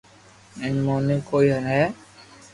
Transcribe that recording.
ھين موني ڪوئي ھيي